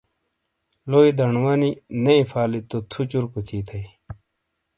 لوئی دنڈوں وانی نے ایفالی تو تھو چورکو تھی تھئیی۔